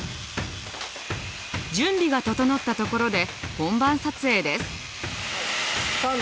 準備が整ったところで本番撮影です。